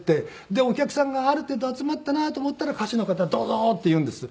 でお客さんがある程度集まったなと思ったら「歌手の方どうぞ」って言うんです。